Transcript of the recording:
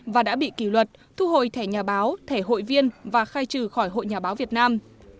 và đã bị kỷ luật thu hồi thẻ nhà báo thẻ hội viên và khai trừ khỏi hội nhà báo việt nam